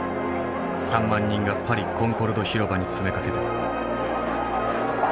３万人がパリコンコルド広場に詰めかけた。